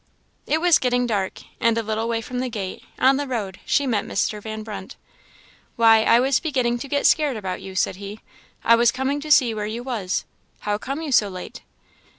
It was getting dark, and a little way from the gate, on the road, she met Mr. Van Brunt. "Why, I was beginning to get scared about you," said he. "I was coming to see where you was. How come you so late?"